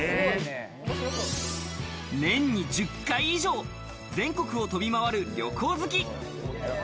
年に１０回以上、全国を飛び回る旅行好き。